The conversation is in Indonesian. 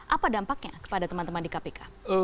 apa dampaknya kepada teman teman di kpk